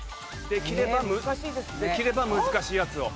できれば難しいやつを。